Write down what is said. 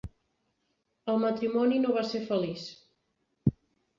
El matrimoni no va ser feliç.